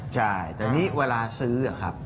ใช่แต่นี่เวลาซื้อครับ